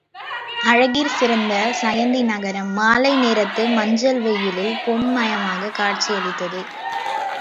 அழகிற் சிறந்த சயந்தி நகரம் மாலை நேரத்து மஞ்சள் வெயிலில் பொன் மயமாகக் காட்சி அளித்தது.